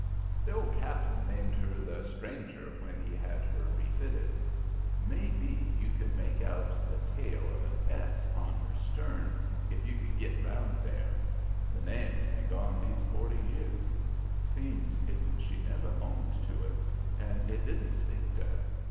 The old cap'n named her the Stranger when he had her refitted. May be you could make out the tail of an S on her stern if you could git around there. That name's been gone these forty year; seem's if she never owned to it, and it didn't stick to her.